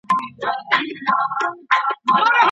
لوی هدف یوازي په پوهي سره نه سي پوره کېدلای.